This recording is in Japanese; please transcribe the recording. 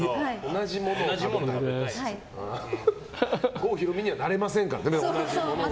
郷ひろみにはなれませんからね。